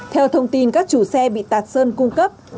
theo thông tin các chủ xe bị tạt sơn cung cấp